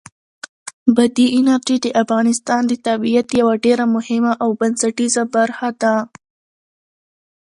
بادي انرژي د افغانستان د طبیعت یوه ډېره مهمه او بنسټیزه برخه ده.